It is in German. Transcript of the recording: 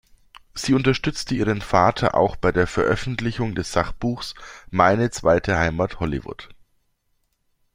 Sie unterstützte ihren Vater auch bei der Veröffentlichung des Sachbuchs "Meine zweite Heimat Hollywood.